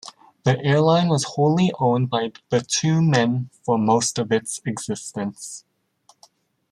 The airline was wholly owned by the two men for most of its existence.